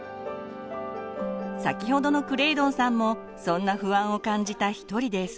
先ほどのクレイドンさんもそんな不安を感じた一人です。